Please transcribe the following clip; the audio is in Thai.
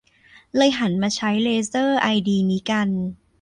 เลยหันมาใช้เลเซอร์ไอดีนี้กัน